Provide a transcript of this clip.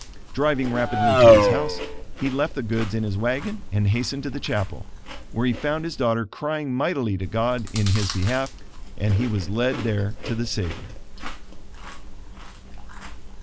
Driving rapidly to his house, he left the goods in his wagon and hastened to the chapel, where he found his daughter crying mightily to God in his behalf; and he was led there to the Savior.